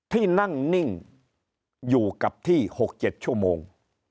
ที่นั่งนิ่งอยู่กับที่๖๗ชั่วโมง